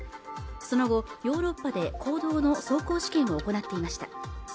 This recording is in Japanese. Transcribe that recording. その後ヨーロッパで公道の走行試験を行っていました